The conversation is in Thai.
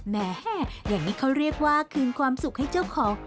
แม่อย่างนี้เขาเรียกว่าคืนความสุขให้เจ้าของ